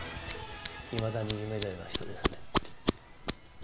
いまだに夢のような人ですね。